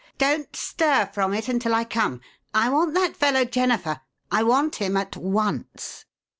"Don't stir from it until I come. I want that fellow Jennifer! I want him at once!"